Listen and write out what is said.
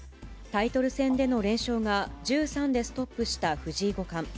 タイトル戦での連勝が１３でストップした藤井五冠。